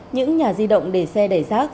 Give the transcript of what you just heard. những nhà di động để xe đẩy rác